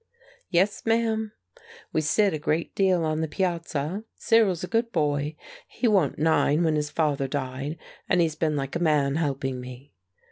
"Yes, ma'am. We sit a great deal on the piazza. Cyril's a good boy; he wa'n't nine when his father died; and he's been like a man helping me.